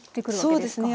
そうですね。